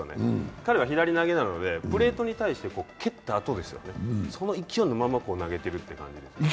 彼は左投げなので、プレートに対して蹴ったあとですよね、その勢いのまま投げてるってわけです。